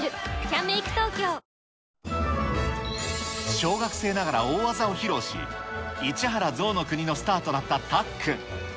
小学生ながら、大技を披露し、市原ぞうの国のスターとなったたっくん。